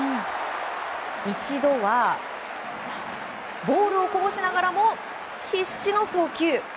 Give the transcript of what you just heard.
一度はボールをこぼしながらも必死の送球。